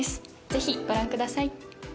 ぜひご覧ください。